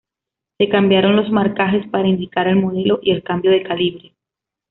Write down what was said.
Se cambiaron los marcajes para indicar el modelo y el cambio de calibre.